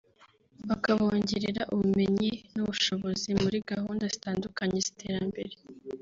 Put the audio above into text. bakabongerera ubumenyi n’ubushobozi muri gahunda zitandukanye z’iterambere